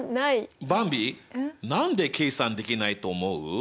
ばんび何で計算できないと思う？